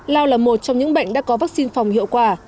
lao là một trong những bệnh đã có vaccine phòng hiệu quả